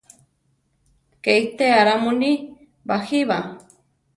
¡Ké itéa ra muní ! baʼjí ba!